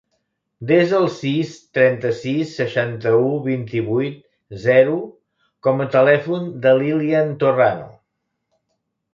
Desa el sis, trenta-sis, seixanta-u, vint-i-vuit, zero com a telèfon de l'Ilyan Torrano.